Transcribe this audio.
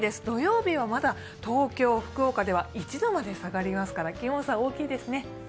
土曜日はまだ東京、福岡は１度まで下がりますから気温差、大きいですね。